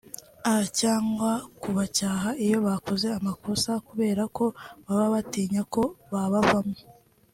a cyangwa kubacyaha iyo bakoze amakosa kubera ko baba batinya ko babavamo